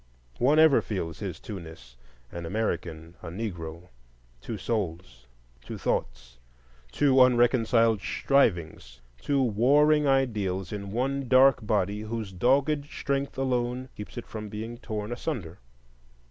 One ever feels his twoness,—an American, a Negro; two souls, two thoughts, two unreconciled strivings; two warring ideals in one dark body, whose dogged strength alone keeps it from being torn asunder.